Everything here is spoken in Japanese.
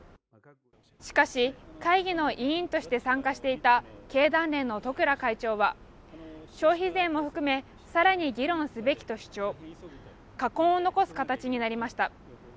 しかし会議の委員として参加していた経団連の十倉会長は消費税も含め更に議論すべきと主張、禍根を残す形になりました。